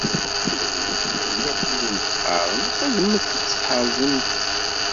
Ihi, ayen akk i wen-d-qqaren, xedmet-tt tḥerzem-t.